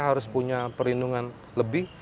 harus punya perlindungan lebih